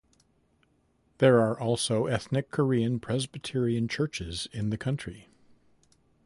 There are also ethnic Korean Presbyterian churches in the country.